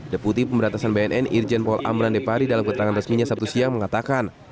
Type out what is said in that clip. deputi pemberantasan bnn irjen paul amran depari dalam keterangan resminya sabtu siang mengatakan